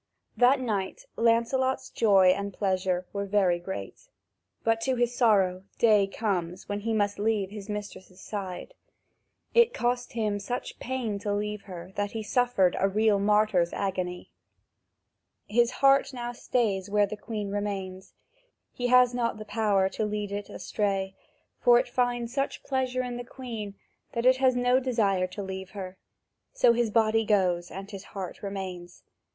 That night Lancelot's joy and pleasure were very great. But, to his sorrow, day comes when he must leave his mistress' side. It cost him such pain to leave her that he suffered a real martyr's agony. His heart now stays where the Queen remains; he has not the power to lead it away, for it finds such pleasure in the Queen that it has no desire to leave her: so his body goes, and his heart remains.